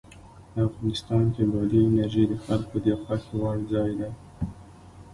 افغانستان کې بادي انرژي د خلکو د خوښې وړ ځای دی.